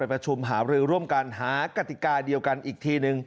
ประชุมหารือร่วมกันหากติกาเดียวกันอีกทีนึง